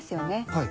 はい。